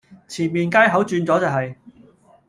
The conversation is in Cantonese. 前面街口轉左就係